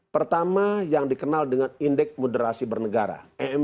pertama yang dikenal dengan indeks moderasi bernegara